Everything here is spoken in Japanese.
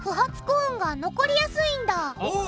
コーンが残りやすいんだお。